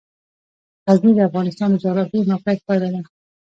غزني د افغانستان د جغرافیایي موقیعت پایله ده.